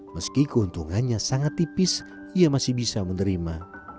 meski keuntungannya sangat tipis ia masih bisa menerima